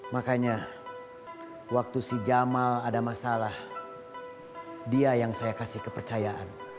makanya waktu si jamal ada masalah dia yang saya kasih kepercayaan